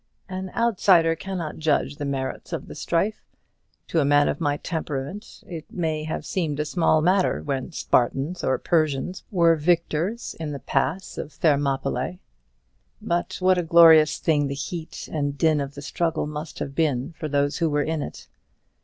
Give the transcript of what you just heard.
An outsider cannot judge the merits of the strife. To a man of my temperament it may have seemed a small matter whether Spartans or Persians were victors in the pass of Thermopylæ; but what a glorious thing the heat and din of the struggle must have been for those who were in it!